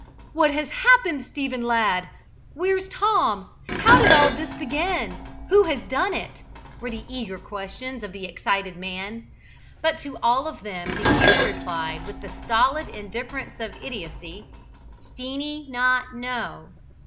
"What has happened, Stephen lad? Where's Tom? How did all this begin? Who has done it?" were the eager questions of the excited man; but to all of them the youth replied with the stolid indifference of idiocy, "Steenie not know."